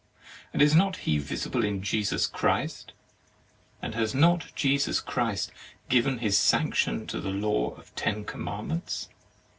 and is not He visible in Jesus Christ? and has not Jesus Christ given His sanction to the law of ten commandments?